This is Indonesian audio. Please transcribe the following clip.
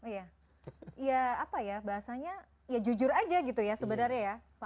oh iya ya apa ya bahasanya ya jujur aja gitu ya sebenarnya ya